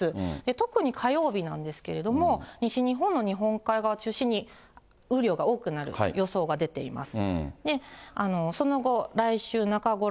特に火曜日なんですけれども、西日本の日本海側を中心に、雨量が多くなる予想が出ています。